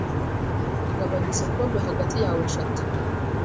Gabanya izo pome hagati yawe eshatu.